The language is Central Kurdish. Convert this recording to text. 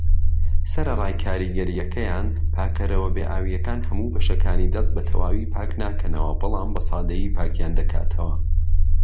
سەرەڕای کاریگەریەکەیان، پاکەرەوە بێ ئاویەکان هەموو بەشەکانی دەست بەتەواوی پاکناکەنەوە بەڵام بەسادەیی پاکیان دەکاتەوە.